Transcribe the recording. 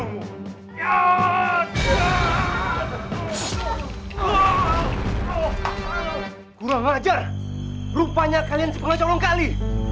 kurang ajar rupanya kalian sepengal corong kali